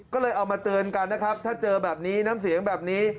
ก็เลยเอามาเตือนกันนะครับถ้าเจอแบบนี้น้ำเสียงแบบนี้